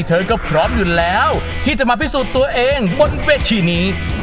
เธอก็พร้อมอยู่แล้วที่จะมาพิสูจน์ตัวเองบนเวทีนี้